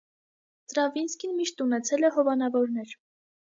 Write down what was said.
Ստրավինսկին միշտ ունեցել է հովանավորներ։